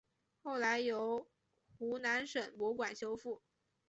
后来由湖南省博物馆修复。